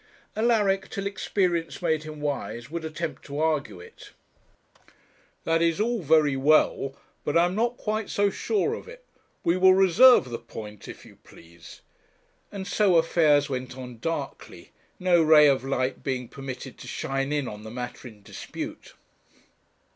Alaric, till experience made him wise, would attempt to argue it. 'That is all very well, but I am not quite so sure of it. We will reserve the point, if you please,' and so affairs went on darkly, no ray of light being permitted to shine in on the matter in dispute.